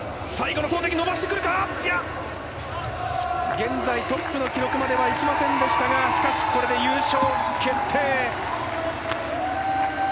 現在トップの記録まではいきませんでしたがしかし、これで優勝決定。